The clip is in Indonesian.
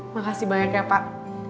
makasih banyak ya pak